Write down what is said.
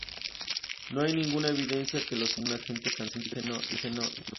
No hay ninguna evidencia que lo señale como un agente cancerígeno en humanos.